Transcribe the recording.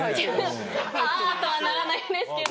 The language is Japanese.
「あ」とはならないんですけど。